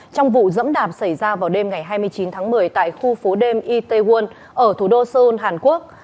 trong vụ dẫm đạp xảy ra vào đêm ngày hai mươi chín tháng một mươi tại khu phố đêm itaewon ở thủ đô seoul hàn quốc